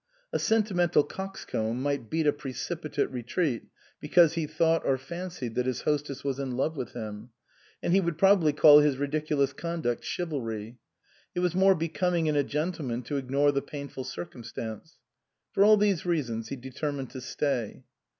A sentimental coxcomb might beat a precipitate retreat because he thought or fancied that his hostess was in love with him, and he would probably call his ridiculous con duct chivalry ; it was more becoming in a gentle man to ignore the painful circumstance. For all these reasons he determined to stay.